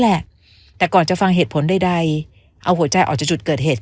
แหละแต่ก่อนจะฟังเหตุผลใดเอาหัวใจออกจากจุดเกิดเหตุ